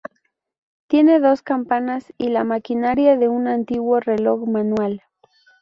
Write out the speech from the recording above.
Tiene dos campanas y la maquinaria de un antiguo reloj manual.